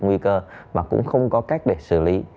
nguy cơ mà cũng không có cách để xử lý